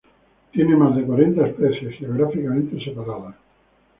Tiene más de cuarenta especies, geográficamente separadas.